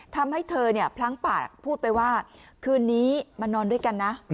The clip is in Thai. ทำให้เธอเนี่ยพลั้งปากพูดไปว่าคืนนี้มานอนด้วยกันนะ